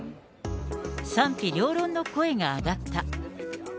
賛否両論の声が上がった。